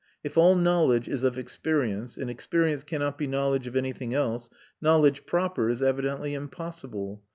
If all knowledge is of experience and experience cannot be knowledge of anything else, knowledge proper is evidently impossible.